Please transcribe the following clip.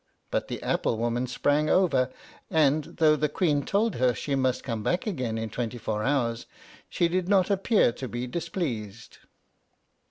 But the apple woman sprang over, and, though the Queen told her she must come back again in twenty four hours, she did not appear to be displeased.